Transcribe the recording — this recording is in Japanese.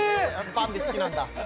バンビ好きなんだ